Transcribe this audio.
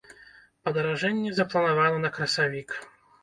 Падаражэнне запланавана на красавік.